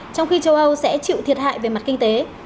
trong khi châu âu sẽ chịu thiệt hại về mặt kinh tế